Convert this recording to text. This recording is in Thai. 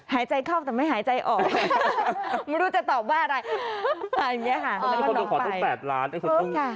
หายใจเข้าแต่ไม่หายใจออกไม่รู้จะตอบบ้าอะไร